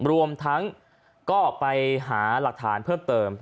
รวมทั้งก็ไปหาหลักฐานเพิ่มเติม